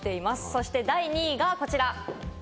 そして第２位がこちら。